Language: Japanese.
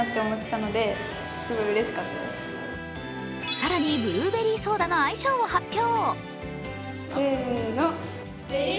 更に、ブルーベリーソーダの愛称を発表。